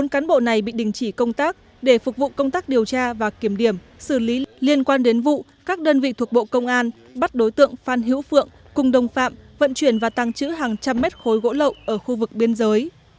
bốn cán bộ này bị đình chỉ công tác để phục vụ công tác điều tra và kiểm điểm xử lý liên quan đến vụ các đơn vị thuộc bộ công an bắt đối tượng phan hữu phượng cùng đồng phạm vận chuyển và tăng chữ hàng trăm mét khối gỗ lậu ở khu vực biên giới